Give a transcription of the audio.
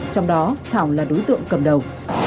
trong đó thảo là đối tượng cầm đầu